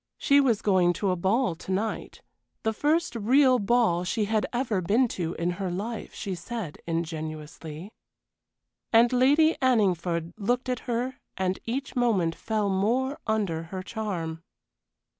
She was going to a ball to night. The first real ball she had ever been to in her life, she said, ingenuously. And Lady Anningford looked at her and each moment fell more under her charm.